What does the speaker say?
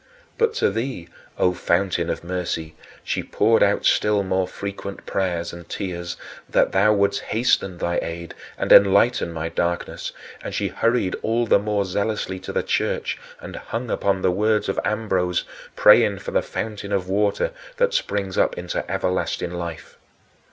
But to thee, O Fountain of mercy, she poured out still more frequent prayers and tears that thou wouldst hasten thy aid and enlighten my darkness, and she hurried all the more zealously to the church and hung upon the words of Ambrose, praying for the fountain of water that springs up into everlasting life.